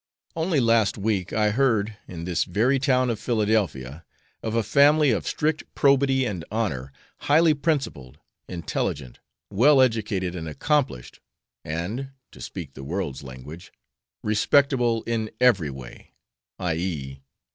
Only last week I heard, in this very town of Philadelphia, of a family of strict probity and honour, highly principled, intelligent, well educated, and accomplished, and (to speak the world's language) respectable in every way i.e.